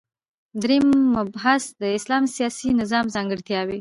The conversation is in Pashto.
دریم مبحث : د اسلام د سیاسی نظام ځانګړتیاوی